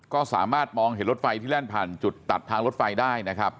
ก็สามารถมองเห็นรถไฟที่แล่นผ่านจุดตัดทางรถไฟได้นะครับ